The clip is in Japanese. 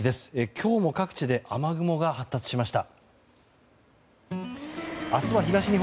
今日も各地で雨雲が発達しました。